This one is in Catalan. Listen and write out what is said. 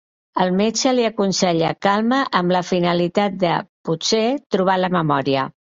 El metge li aconsella calma amb la finalitat de, potser, trobar la memòria.